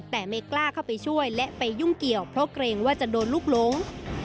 แต่ไม่กล้าเข้าไปช่วยและไปยุ่งเกี่ยวเพราะเกรงว่าจะโดนลูกหลง